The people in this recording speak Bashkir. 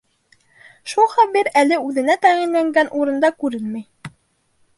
Шул Хәбир әле үҙенә тәғәйенләнгән урында күренмәй.